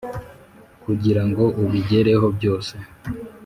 kugirango ubigereho byose